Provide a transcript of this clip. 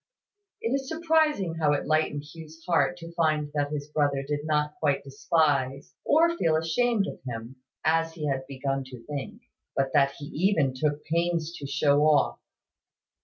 It is surprising how it lightened Hugh's heart to find that his brother did not quite despise, or feel ashamed of him, as he had begun to think: but that he even took pains to show off.